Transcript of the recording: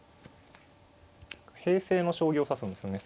平成の将棋を指すんですよね。